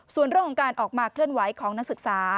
ส่วนเรื่องของการออกมาเคลื่อนไหวของนักศึกษา